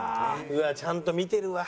うわっちゃんと見てるわ。